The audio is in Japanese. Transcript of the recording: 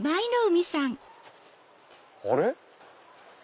あれ？